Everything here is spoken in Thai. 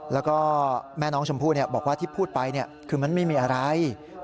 แล้วก็แม่น้องชมพู่บอกว่าที่พูดไปคือมันไม่มีอะไร